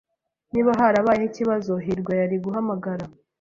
Niba harabaye ikibazo, hirwa yari guhamagara.